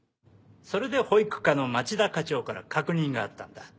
それで保育課の町田課長から確認があったんだ。